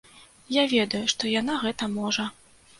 Я ведаю, што яна гэта можа.